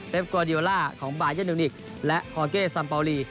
เฟฟกวาดิโอล่าของบายาเนวนิกและคอร์เกสซัมปาวลี